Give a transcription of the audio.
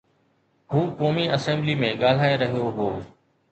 هو قومي اسيمبلي ۾ ڳالهائي رهيو هو.